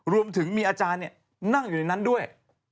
รวมถึงมีอาจารย์นั่งอยู่ในนั้นด้วย